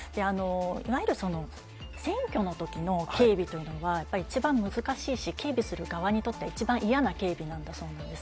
いわゆる選挙のときの警備というのは、やっぱり一番難しいし、警備する側にとっては一番嫌な警備なんだそうなんですね。